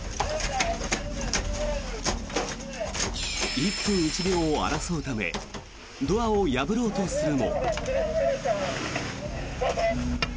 １分１秒を争うためドアを破ろうとするも。